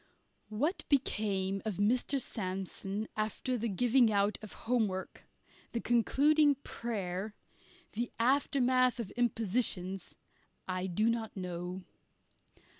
What became of Mr. Sandsome after the giving out of home work, the concluding prayer, and the aftermath of impositions, I do not know.